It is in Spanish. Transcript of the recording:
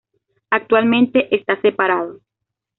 Actualmente está separado.